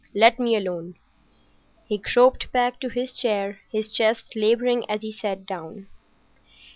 Let me alone!" He groped back to his chair, his chest labouring as he sat down.